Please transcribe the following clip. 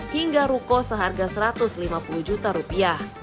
hingga ruko seharga rp satu ratus lima puluh juta rupiah